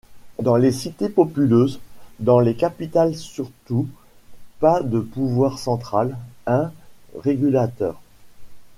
Dans les cités populeuses, dans les capitales surtout, pas de pouvoir central, un, régulateur.